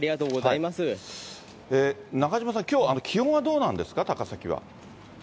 中島さん、きょう、気温はどうなんですか、高崎は。